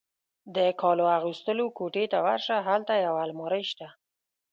د کالو اغوستلو کوټې ته ورشه، هلته یو المارۍ شته.